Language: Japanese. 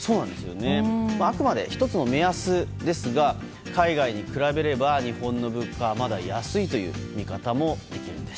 あくまで１つの目安ですが海外に比べれば、日本の物価はまだ安いという見方もできるんです。